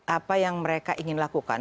apa yang mereka ingin lakukan